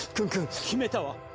決めたわ。